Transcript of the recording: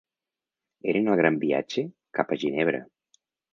Eren al gran viatge capa a Ginebra.